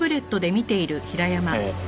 ええ。